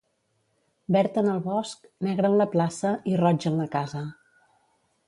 Verd en el bosc, negre en la plaça i roig en la casa.